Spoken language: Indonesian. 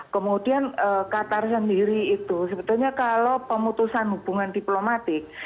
kemudian qatar sendiri itu sebetulnya kalau pemutusan hubungan diplomatik